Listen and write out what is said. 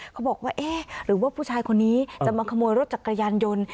เขาบอกว่าเอ๊ะหรือว่าผู้ชายคนนี้จะมาขโมยรถจักรยานยนต์